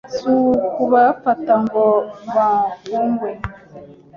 si ukubafata ngo bafungwe